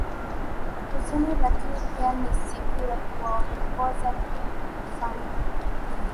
huzuni lakini pia ni siku ya kuwaongoza kufanya